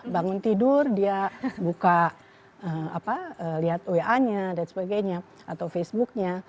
bangun tidur dia buka lihat wa nya dan sebagainya atau facebooknya